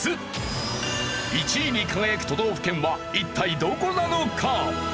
１位に輝く都道府県は一体どこなのか？